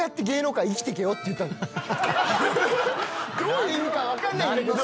どういう意味かは分かんない。